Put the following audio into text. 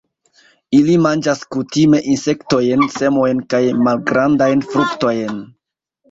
Ili manĝas kutime insektojn, semojn kaj malgrandajn fruktojn.